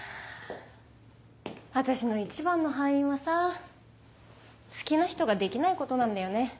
私の一番の敗因はさ好きな人ができないことなんだよね。